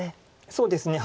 そうですね。